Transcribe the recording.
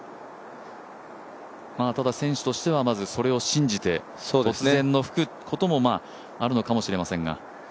ただ選手としてはそれを信じて突然吹くこともあるのかもしれませんが。